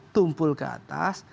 tumpul ke atas